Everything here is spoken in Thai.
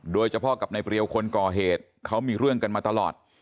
โดยเฉพาะกับนายเปรียวคนก่อเหตุเขามีเรื่องกันมาตลอด